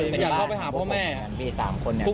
พี่บ้านไม่อยู่ว่าพี่คิดดูด